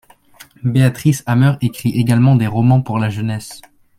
Béatrice Hammer écrit également des romans pour la jeunesse.